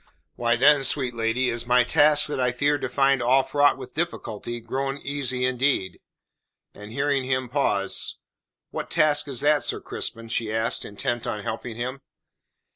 "Why then, sweet lady, is my task that I had feared to find all fraught with difficulty, grown easy indeed." And hearing him pause: "What task is that, Sir Crispin?" she asked, intent on helping him.